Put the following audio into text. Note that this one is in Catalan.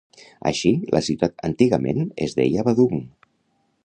Així, la ciutat antigament es deia Badung.